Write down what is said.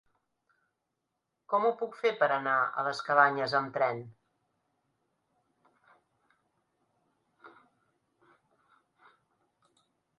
Com ho puc fer per anar a les Cabanyes amb tren?